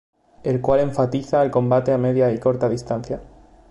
El cual enfatiza el combate a media y corta distancia.